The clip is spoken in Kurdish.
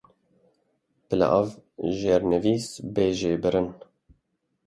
Bila ev jêrnivîs bê jêbirin?